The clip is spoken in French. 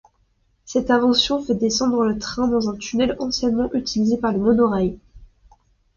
Cette inversion fait descendre le train dans un tunnel anciennement utilisé par le monorail.